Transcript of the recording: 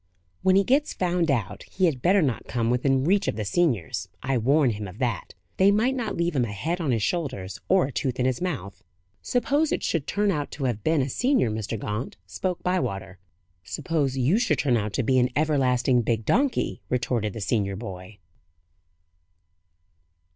When he gets found out, he had better not come within reach of the seniors; I warn him of that: they might not leave him a head on his shoulders, or a tooth in his mouth." "Suppose it should turn out to have been a senior, Mr. Gaunt?" spoke Bywater. "Suppose you should turn out to be an everlasting big donkey?" retorted the senior boy.